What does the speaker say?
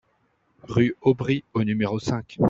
Rue Aubry au numéro cinq